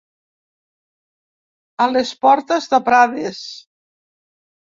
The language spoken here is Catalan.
A les portes de Prades.